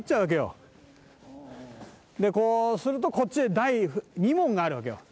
こうするとこっちに第二門があるわけよ。